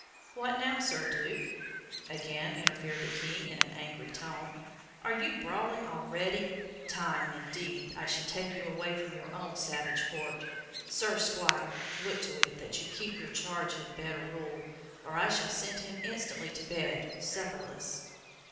"What now, Sir Duke," again interfered the King, in an angry tone, "are you brawling already? Time, indeed, I should take you from your own savage court. Sir Squire, look to it, that you keep your charge in better rule, or I shall send him instantly to bed, supperless."